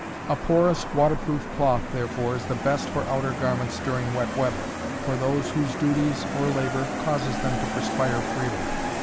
A porous, water proof cloth, therefore, is the best for outer garments during wet weather, for those whose duties or labor causes them to perspire freely.